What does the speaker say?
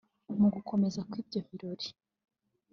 Mugukomeza kw’ibyo birori